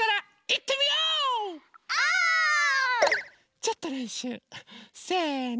ちょっとれんしゅう。せの。